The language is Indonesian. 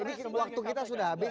ini waktu kita sudah habis